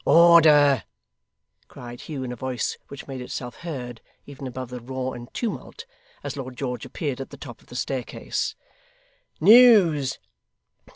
'Order!' cried Hugh, in a voice which made itself heard even above the roar and tumult, as Lord George appeared at the top of the staircase. 'News!